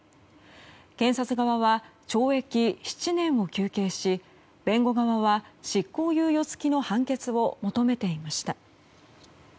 検察側は懲役７年を求刑し弁護側は執行猶予付きの判決を求めていました。